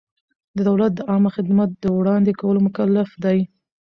دولت د عامه خدمت د وړاندې کولو مکلف دی.